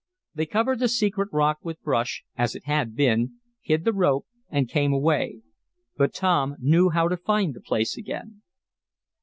They covered the secret rock with brush, as it had been, hid the rope and came away. But Tom knew how to find the place again.